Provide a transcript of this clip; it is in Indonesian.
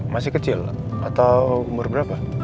masih kecil atau umur berapa